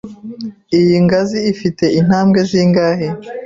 Iyi ngazi ifite intambwe zingahe?